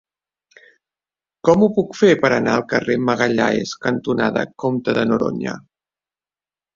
Com ho puc fer per anar al carrer Magalhães cantonada Comte de Noroña?